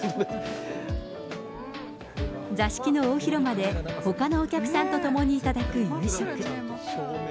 座敷の大広間で、ほかのお客さんと共に頂く夕食。